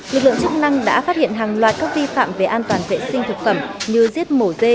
lực lượng chức năng đã phát hiện hàng loạt các vi phạm về an toàn vệ sinh thực phẩm như giết mổ dê